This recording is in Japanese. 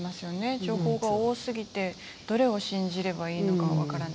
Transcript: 情報が多すぎてどれを信じればいいのか分からない。